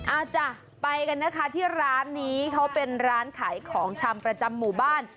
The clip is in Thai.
อาจจะไปกันนะคะที่ร้านนี้เขาเป็นร้านขายของชำประจำหมู่บ้าน